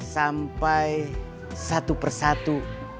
sampai satu persatu